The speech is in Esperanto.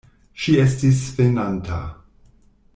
Ŝi estis svenanta.